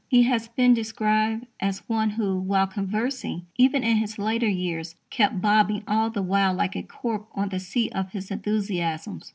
He has been described as one who, while conversing, even in his later years, kept "bobbing all the while like a cork on the sea of his enthusiasms."